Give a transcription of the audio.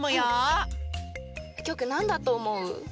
うきょうくんなんだとおもう？